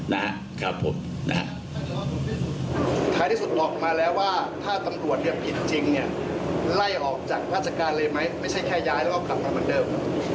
นะครับผมก็ต้องให้การว่าเขาให้การว่าเขาให้การขัดแย้งข้อเรียกจริงนะครับ